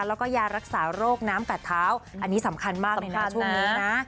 แล้วก็ยารักษาโรคน้ำกัดเท้าอันนี้สำคัญมากเลยนะช่วงนี้นะ